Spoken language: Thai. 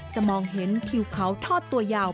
มองเห็นผิวเขาทอดตัวยาว